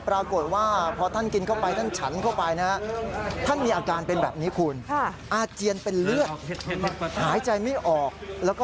ปรากฏว่าพอท่านกินเข้าไปท่านฉันเข้าไปนะครับ